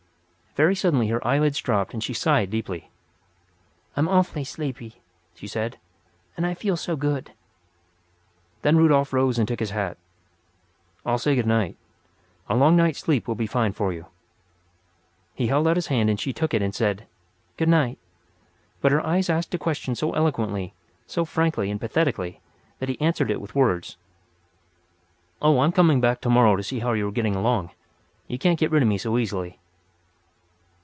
Very suddenly her eyelids dropped and she sighed deeply. "I'm awfully sleepy," she said, "and I feel so good." Then Rudolf rose and took his hat. "I'll say good night. A long night's sleep will be fine for you." He held out his hand, and she took it and said "good night." But her eyes asked a question so eloquently, so frankly and pathetically that he answered it with words. "Oh, I'm coming back to morrow to see how you are getting along. You can't get rid of me so easily."